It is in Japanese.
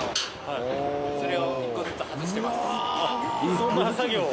そんな作業を。